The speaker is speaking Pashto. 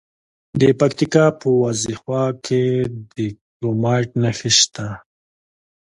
د پکتیکا په وازیخوا کې د کرومایټ نښې شته.